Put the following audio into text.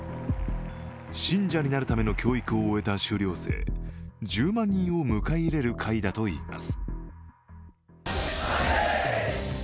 信者になるための教育を終えた修了生１０万人を迎え入れる会だといいます。